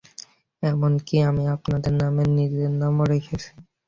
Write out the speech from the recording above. এমনকি আমি আপনার নামে নিজের নামও রেখেছি।